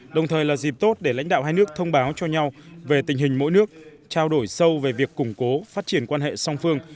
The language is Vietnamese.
đồng thời là dịp tốt để lãnh đạo hai nước thông báo cho nhau về tình hình mỗi nước trao đổi sâu về việc củng cố phát triển quan hệ song phương